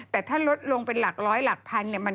แต่ถ้าแน้นลดลงเป็นหลักร้อยหรือหลักพัน